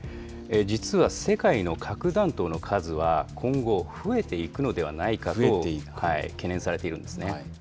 実は世界の核弾頭の数は、今後、増えていくのではないかと懸念されているんですね。